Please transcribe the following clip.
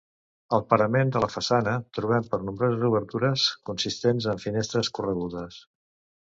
Al parament de la façana trobem per nombroses obertures consistents amb finestres corregudes.